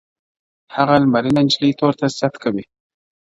• هغه لمرینه نجلۍ تور ته ست کوي.